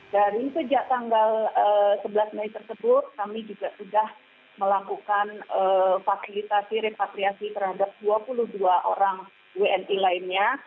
dari sejak tanggal sebelas mei tersebut kami juga sudah melakukan fasilitasi repatriasi terhadap dua puluh dua orang wni lainnya